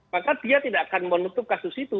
maka dia tidak akan menutup kasus itu